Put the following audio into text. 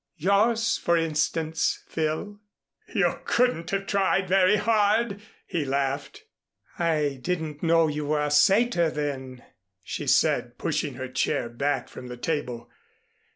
"Yours, for instance, Phil." "You couldn't have tried very hard," he laughed. "I didn't know you were a satyr then," she said, pushing her chair back from the table.